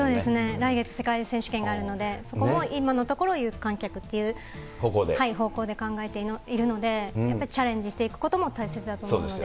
来月、世界選手権があるので、そこも今のところ、有観客っていう方向で考えているので、やっぱりチャレンジしていくことも大切だと思うので。